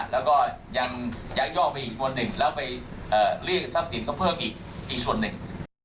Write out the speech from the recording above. และยักยอกอีกที่นึงและเรียกทรัพย์สินกระเภิกอีกส่วนหนึ่ง